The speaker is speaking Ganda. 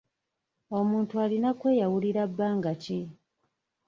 Omuntu alina okweyawulira bbanga ki?